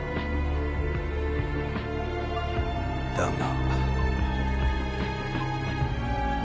だが。